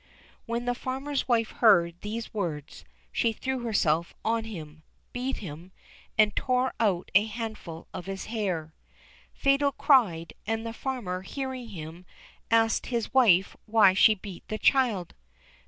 When the farmer's wife heard these words, she threw herself on him, beat him, and tore out a handful of his hair. Fatal cried, and the farmer hearing him, asked his wife why she beat the child?